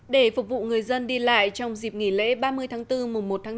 để phục vụ người dân đi lại trong dịp nghỉ lễ ba mươi tháng bốn mùa một tháng bốn